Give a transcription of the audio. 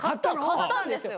勝ったんです。